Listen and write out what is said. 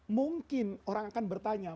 mungkin orang akan bertanya